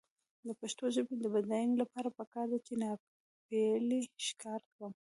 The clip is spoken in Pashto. د پښتو ژبې د بډاینې لپاره پکار ده چې ناپییلي ښکار کم شي.